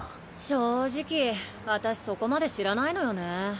正直私そこまで知らないのよね。